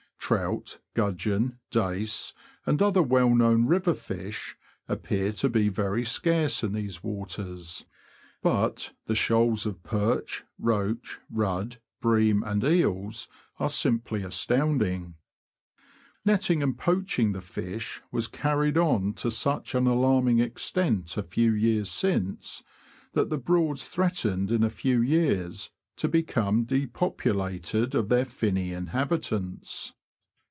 Trout, gudgeon, dace, and other well known river fish, appear to be very scarce in these waters ; but THE FISH OF THE BROADS. '279 the shoals of perch, roach, rudd, bream, and eels, are simply astounding. Netting and poaching the fish was carried on to such an alarming extent a few years since, that the Broads threatened in a few years to become de populated of their finny inhabitants.